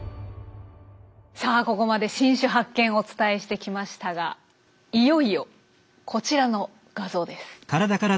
さあここまで新種発見お伝えしてきましたがいよいよこちらの画像です。